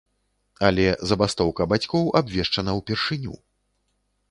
Але забастоўка бацькоў абвешчана ўпершыню.